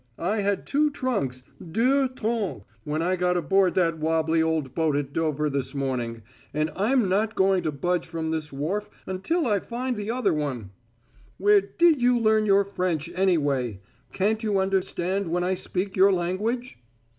I had two trunks deux troncs when I got aboard that wabbly old boat at Dover this morning, and I'm not going to budge from this wharf until I find the other one. Where did you learn your French, anyway? Can't you understand when I speak your language?"